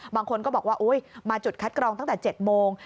บางคนก็บอกว่ามาจุดคัดกรองตั้งแต่๗โมง